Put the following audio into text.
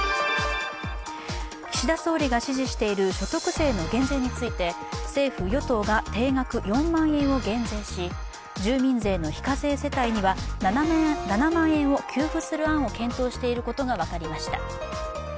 岸田総理が指示している所得税の減税について政府・与党が定額４万円を減税し住民税の非課税世帯には７万円を給付する案を検討していることが分かりました。